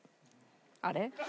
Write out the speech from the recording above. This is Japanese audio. あれ？